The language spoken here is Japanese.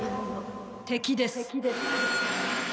敵です。